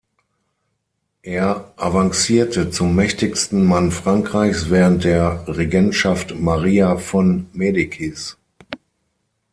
Er avancierte zum mächtigsten Mann Frankreichs während der Regentschaft Maria von Medicis.